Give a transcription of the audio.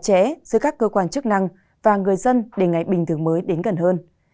trẻ dưới các cơ quan chức năng và người dân để ngày bình thường mới đến gần hơn